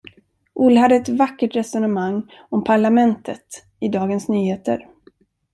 Olle hade ett vackert resonemang om parlamentet i Dagens Nyheter.